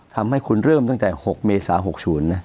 ทำให้คุณเริ่มตั้งแต่๖เมษา๖๐นะ